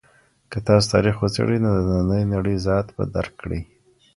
که تاسو تاریخ وڅېړئ نو د نننۍ نړۍ ذات به درک کړئ.